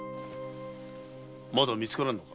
まだ見つからんのか。